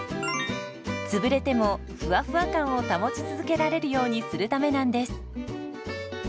つぶれてもふわふわ感を保ち続けられるようにするためなんです。